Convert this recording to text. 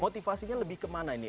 motivasinya lebih ke mana ini